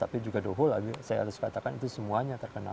tapi juga dohul lagi saya harus katakan itu semuanya terkena